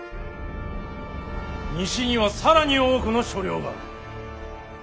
西には更に多くの所領がある。